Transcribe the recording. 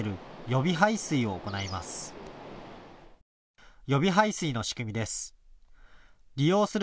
予備排水の仕組みです。